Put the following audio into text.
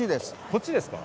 こっちですか？